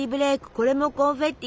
これもコンフェッティ？